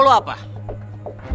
lo mau belain mereka